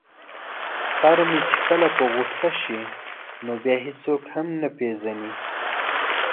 خر مې چې کله په غوسه شي نو بیا هیڅوک هم نه پيژني.